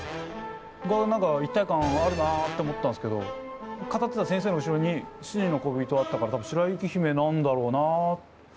が何か一体感あるなあって思ったんすけど語ってた先生の後ろに七人のこびとあったから多分「白雪姫」なんだろうなあ。